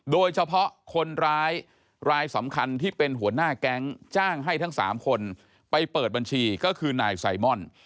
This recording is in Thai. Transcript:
โดยเฉพาะคนร้ายรายสำคัญที่เป็นหัวหน้าแก๊งจ้างให้ทั้ง๓คนไปเปิดบัญชีก็คือนายไซมอน